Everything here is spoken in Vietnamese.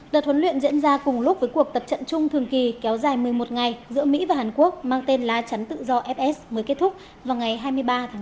đợt huấn luyện diễn ra cùng lúc với cuộc tập trận chung thường kỳ kéo dài một mươi một ngày giữa mỹ và hàn quốc mang tên lá chắn tự do fs mới kết thúc vào ngày hai mươi ba tháng năm